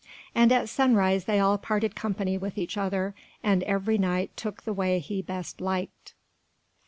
And at sunrise they all parted company with each other, and every Knight took the way he best liked.